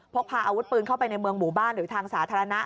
พกพาอาวุธปืนเข้าไปในเมืองหมู่บ้านหรือทางสาธารณะ